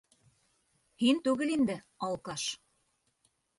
Һин түгел инде, алкаш.